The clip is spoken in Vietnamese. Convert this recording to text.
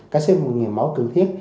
các xét nghiệm máu cần thiết